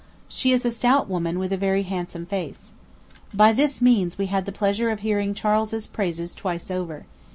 She is a stout woman, with a very handsome face. By this means we had the pleasure of hearing Charles's praises twice over.